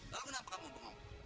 lalu kenapa kamu bengong